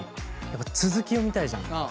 やっぱ続き読みたいじゃん。